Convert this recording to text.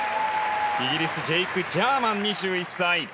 イギリスジェイク・ジャーマン、２１歳。